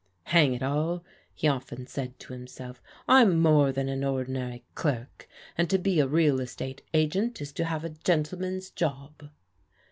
" Hang it all," he often said to himself. " I'm more than an ordinary clerk, and to be a real estate ajg^ent is to have a gentleman's job."